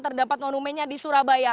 terdapat monumennya di surabaya